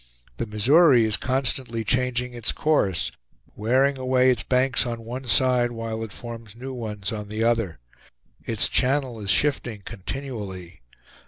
The Missouri is constantly changing its course; wearing away its banks on one side, while it forms new ones on the other. Its channel is shifting continually.